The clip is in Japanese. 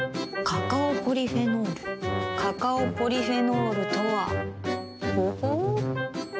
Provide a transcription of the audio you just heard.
カカオポリフェノールカカオポリフェノールとはほほう。